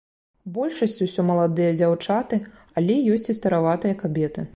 Большасць усё маладыя дзяўчаты, але ёсць і стараватыя кабеты.